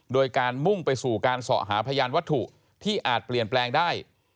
โดยการมุ่งไปสู่การสอบหาพยานวัตถุที่อาจเปลี่ยนแปลงได้